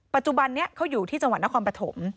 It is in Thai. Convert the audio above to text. ปัจจุบันนี้เขาอยู่ที่จังหวัดนครปฐม